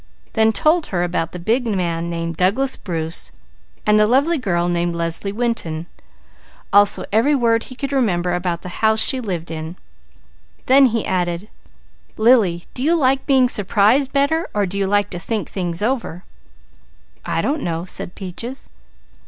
Then told her about the big man named Douglas Bruce and the lovely girl named Leslie Winton, also every word he could remember about the house she lived in; then he added: "Lily, do you like to be surprised better or do you like to think things over?" "I don't know," said Peaches.